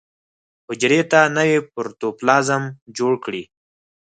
حجرې ته نوی پروتوپلازم جوړ کړي.